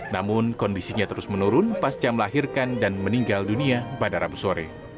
namun kondisinya terus menurun pasca melahirkan dan meninggal dunia pada rabu sore